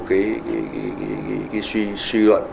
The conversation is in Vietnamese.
cái suy luận